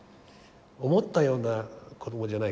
思ったような子供じゃない。